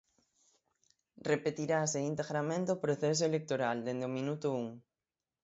Repetirase integramente o proceso electoral, dende o minuto un.